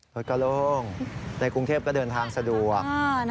รถก็โล่งในกรุงเทพก็เดินทางสะดวก